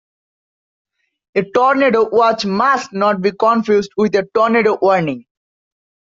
A tornado watch must not be confused with a tornado warning.